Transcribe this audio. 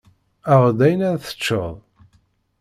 Aɣ-d ayen ara teččeḍ.